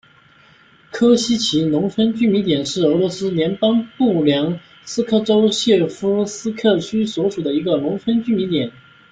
科西齐农村居民点是俄罗斯联邦布良斯克州谢夫斯克区所属的一个农村居民点。